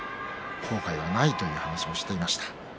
後悔はないという話もしていました。